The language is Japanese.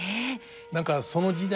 何かその時代